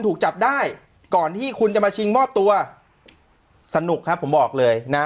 ถูกจับได้ก่อนที่คุณจะมาชิงมอบตัวสนุกครับผมบอกเลยนะ